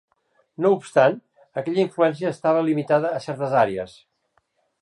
No obstant, aquella influència estava limitada a certes àrees.